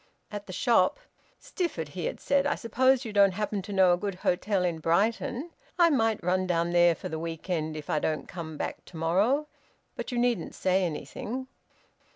At the shop, "Stifford," he had said, "I suppose you don't happen to know a good hotel in Brighton? I might run down there for the week end if I don't come back to morrow. But you needn't say anything."